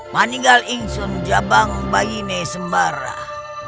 meninggal insun jabang bayi ne sembarah